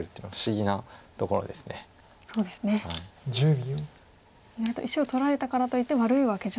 意外と石を取られたからといって悪いわけじゃない。